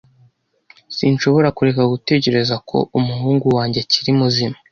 Sinshobora kureka gutekereza ko umuhungu wanjye akiri muzima.